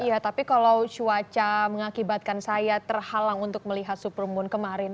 iya tapi kalau cuaca mengakibatkan saya terhalang untuk melihat supermoon kemarin